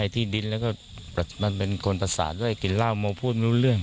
ที่ดินแล้วก็มันเป็นคนประสานด้วยกินเหล้าโมพูดไม่รู้เรื่อง